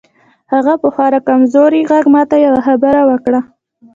هغه په خورا کمزوري غږ ماته یوه خبره وکړه